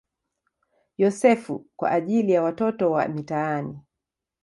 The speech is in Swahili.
Yosefu" kwa ajili ya watoto wa mitaani.